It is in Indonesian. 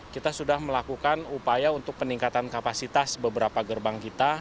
kita sudah melakukan upaya untuk peningkatan kapasitas beberapa gerbang kita